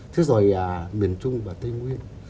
chứ rồi miền trung và tây nguyên